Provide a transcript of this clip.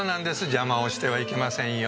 邪魔をしてはいけませんよ。